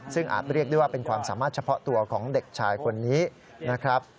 ซึ่งอาจเรียกได้ว่าเป็นความสามารถเฉพาะตัวของเด็กชายคนนี้นะครับ